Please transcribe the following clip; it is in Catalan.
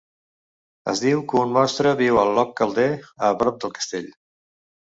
Es diu que un monstre viu a Loch Calder a prop del castell.